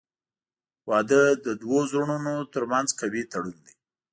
• واده د دوه زړونو ترمنځ قوي تړون دی.